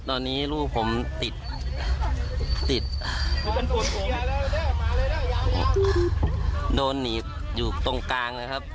ตอนนี้เขาไม่ร้องเลยนะครับ